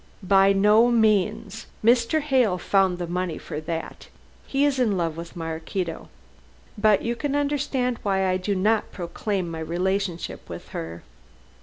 "By no means. Mr. Hale found the money for that. He is in love with Maraquito. But you can understand why I do not proclaim my relationship with her.